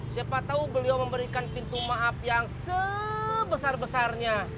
siapa tahu beliau memberikan pintu maaf yang sebesar besarnya